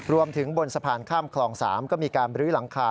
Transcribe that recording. บนสะพานข้ามคลอง๓ก็มีการบรื้อหลังคา